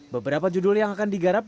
beberapa judul yang akan digarap